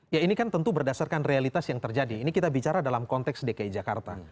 ya ini kan tentu berdasarkan realitas yang terjadi ini kita bicara dalam konteks dki jakarta